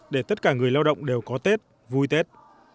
để tất cả người lao động đều có tết vui tết